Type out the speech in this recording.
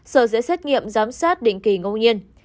sở sẽ xét nghiệm giám sát định kỳ ngẫu nhiên